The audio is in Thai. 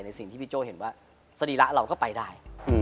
สิ่งที่พี่โจ้เห็นว่าสรีระเราก็ไปได้